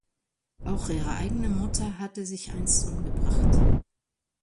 Auch ihre eigene Mutter hatte sich einst umgebracht.